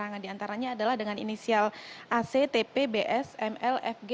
yang terakhir di antaranya adalah dengan inisial actpbsmlfg